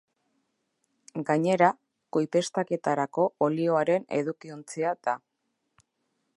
Gainera, koipeztaketarako olioaren edukiontzia da.